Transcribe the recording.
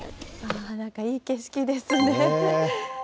なんかいい景色ですね。